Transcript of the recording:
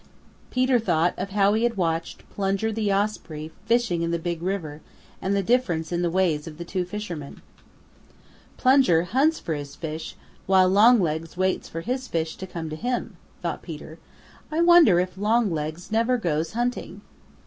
Peter thought of how he had watched Plunger the Osprey fishing in the Big River and the difference in the ways of the two fishermen. "Plunger hunts for his fish while Longlegs waits for his fish to come to him," thought Peter. "I wonder if Longlegs never goes hunting."